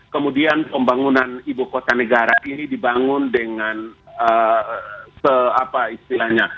kemudian pembangunan ibu kota negara ini dibangun dengan se apa istilahnya